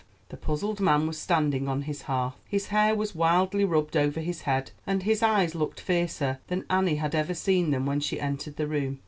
The puzzled man was standing on his hearth. His hair was wildly rubbed over his head, and his eyes looked fiercer than Annie had ever seen them when she entered the room.